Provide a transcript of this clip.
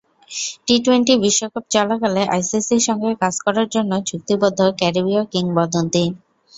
T twenty বিশ্বকাপ চলাকালে আইসিসির সঙ্গে কাজ করার জন্যও চুক্তিবদ্ধ ক্যারিবীয় কিংবদন্তি।